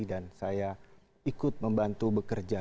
dan saya ikut membantu bekerja